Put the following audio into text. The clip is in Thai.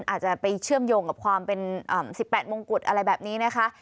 อาจจะไปเชื่อมโยงกับความเป็น๑๘มงกุฎอะไรแบบนี้นะคะ